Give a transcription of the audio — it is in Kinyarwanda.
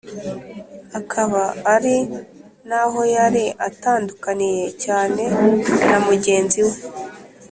Akaba ari naho yari atandukaniye cyane na mugenzi we.